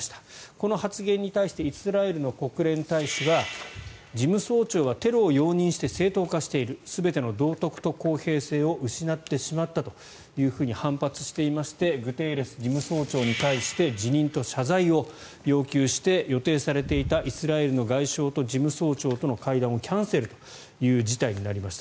この発言に対してイスラエルの国連大使は事務総長はテロを容認して正当化している全ての道徳と公平性を失ってしまったというふうに反発していましてグテーレス事務総長に対して辞任と謝罪を要求して予定されていたイスラエルの外相と事務総長との会談をキャンセルという事態になりました。